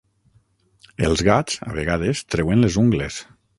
Els gats a vegades treuen les ungles.